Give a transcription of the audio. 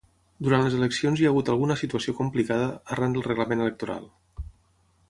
Durant les eleccions hi ha hagut alguna situació complicada arran del reglament electoral.